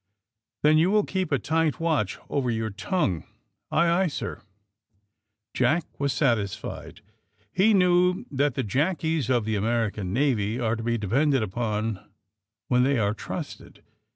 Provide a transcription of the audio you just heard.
*'Then you will keep a tight watch over your tongue r' "Aye, aye, sir," Jack was satisfied. He knew that the jackies of the American Na^^ are to be depended upon when they are trusted.